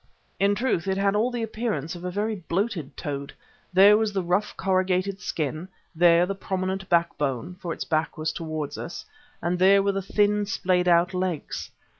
In truth, it had all the appearance of a very bloated toad. There was the rough corrugated skin, there the prominent backbone (for its back was towards us), and there were the thin, splayed out legs.